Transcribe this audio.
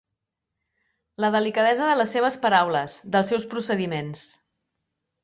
La delicadesa de les seves paraules, dels seus procediments.